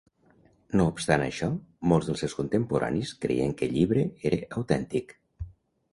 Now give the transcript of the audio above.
No obstant això, molts dels seus contemporanis creien que el llibre era autèntic.